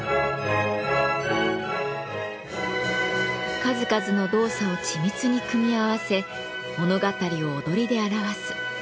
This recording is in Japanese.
数々の動作を緻密に組み合わせ物語を踊りで表す。